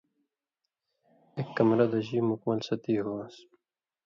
ایک کمرہ دژی مُکمل ستی ہووان٘س